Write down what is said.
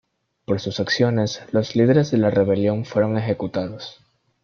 Por sus acciones, los líderes de la rebelión fueron ejecutados.